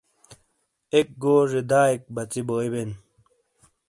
ایک گوزے دائیک بژی بوبین۔